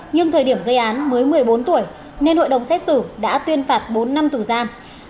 nhưng thời điểm gây án mới một mươi bốn tuổi nên hội đồng xét xử đã tuyên phạt bốn năm tù giam